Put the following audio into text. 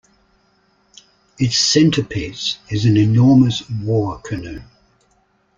Its centerpiece is an enormous war canoe.